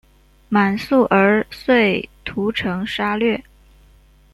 满速儿遂屠城杀掠。